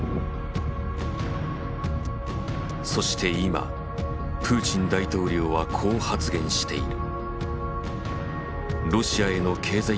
そして今プーチン大統領はこう発言している。